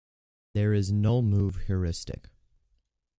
There is Null-move heuristic.